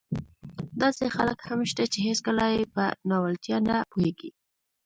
داسې خلک هم شته چې هېڅکله يې په ناولتیا نه پوهېږي.